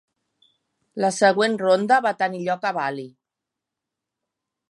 La següent ronda va tenir lloc a Bali.